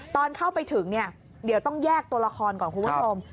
ตอนเข้าไปถึงเนี่ยเดี๋ยวต้องแยกตัวละครก่อนคุณผู้ชม